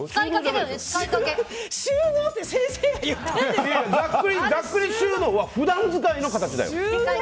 ざっくり収納は普段使いの形だよ。